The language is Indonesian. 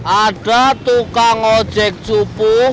ada tukang ojek cupu